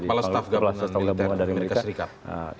pala staf gabungan militer amerika serikat